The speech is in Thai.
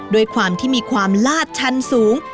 ด้วยความที่มีความลาดชันสูง